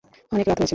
অনেক রাত হয়েছে।